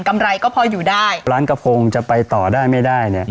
ไรก็พออยู่ได้ร้านกระโพงจะไปต่อได้ไม่ได้เนี่ย